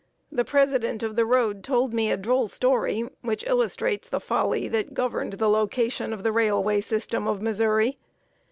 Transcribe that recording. The president of the road told me a droll story, which illustrates the folly that governed the location of the railway system of Missouri.